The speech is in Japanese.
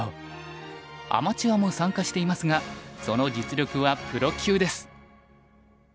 アマチュアも参加していますがその実力はプロ級です。